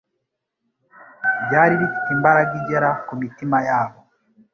ryari rifite imbaraga igera ku mitima yabo